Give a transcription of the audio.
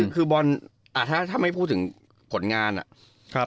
คือบอลถ้าไม่พูดถึงผลงานอะ